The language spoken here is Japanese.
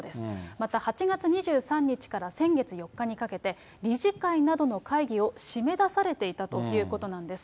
また８月２３日から先月４日にかけて、理事会などの会議を締め出されていたということなんです。